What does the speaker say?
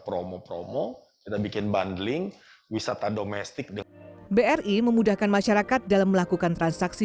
promo promo kita bikin bundling wisata domestik dengan bri memudahkan masyarakat dalam melakukan transaksi